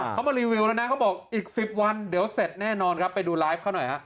เขามารีวิวแล้วนะเขาบอกอีก๑๐วันเดี๋ยวเสร็จแน่นอนครับไปดูไลฟ์เขาหน่อยฮะ